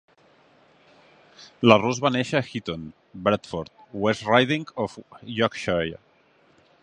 La Rouse va néixer a Heaton, Bradford, West Riding of Yorkshire.